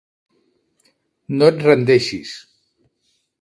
No et rendeixis!